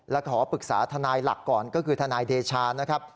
และขอปรึกษาทนายหลักก่อนก็คือทนายเดชานะครับ